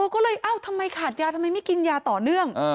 ก็เลยเอ้าทำไมขาดยาทำไมไม่กินยาต่อเนื่อง